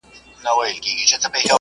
مرګ نور ما ته یو ګواښ نه ښکاري.